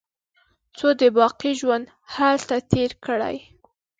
څو د باقي ژوند هلته تېر کړي.